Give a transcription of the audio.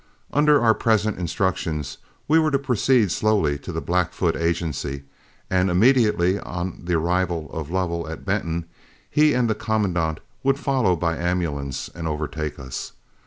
Under our present instructions, we were to proceed slowly to the Blackfoot Agency, and immediately on the arrival of Lovell at Benton, he and the commandant would follow by ambulance and overtake us.